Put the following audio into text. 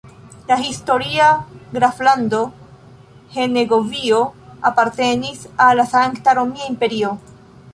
La historia graflando Henegovio apartenis al la Sankta Romia Imperio.